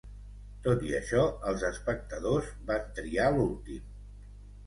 Tot i això, els espectadors van triar l'últim.